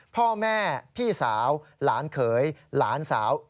พ่อแม่พี่สาวหลานเขยหลานสาว